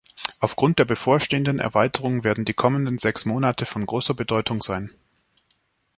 Aufgrund der bevorstehenden Erweiterung werden die kommenden sechs Monate von großer Bedeutung sein.